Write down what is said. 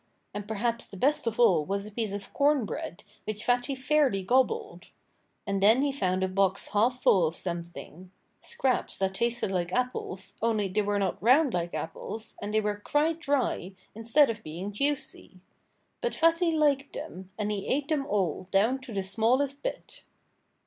And perhaps the best of all was a piece of cornbread, which Fatty fairly gobbled. And then he found a box half full of something scraps that tasted like apples, only they were not round like apples, and they were quite dry, instead of being juicy. But Fatty liked them; and he ate them all, down to the smallest bit.